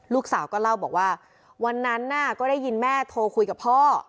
ลูกสาวก็เล่าบอกว่าวันนั้นน่ะก็ได้ยินแม่โทรคุยกับพ่อ